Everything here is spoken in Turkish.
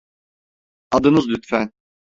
Adınız lütfen?